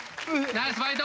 ナイスファイト。